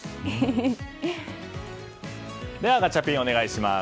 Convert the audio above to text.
ではガチャピン、お願いします。